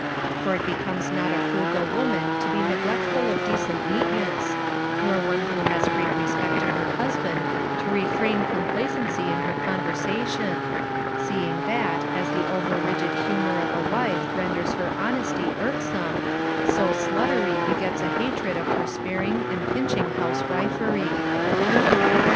For it becomes not a frugal woman to be neglectful of decent neatness, nor one who has great respect to her husband to refrain complacency in her conversation ; seeing that, as the over rigid humor of a wife renders her honesty irk some, so sluttery begets a hatred of her sparing and pinch ing housewifery.